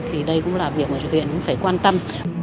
thì đây cũng là việc chủ viện phải quan tâm